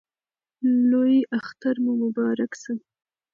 لوی اختر مو مبارک سه!